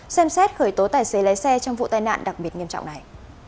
xem xét khởi tố tài xế lái xe trong vụ tai nạn đặc biệt nghiêm trọng này